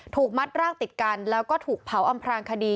ถูกมัดร่างติดกันแล้วก็ถูกเผาอำพลางคดี